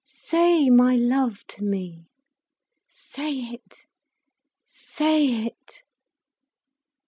Say 'my love' to me, say it, say it."